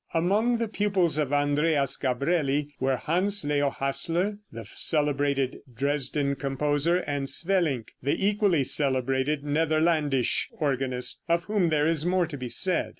Among the pupils of Andreas Gabrieli were Hans Leo Hassler, the celebrated Dresden composer, and Swelinck, the equally celebrated Netherlandish organist, of whom there is more to be said.